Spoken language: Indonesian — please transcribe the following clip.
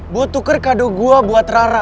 buat tuker kado gue buat rara